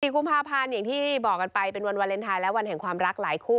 กุมภาพันธ์อย่างที่บอกกันไปเป็นวันวาเลนไทยและวันแห่งความรักหลายคู่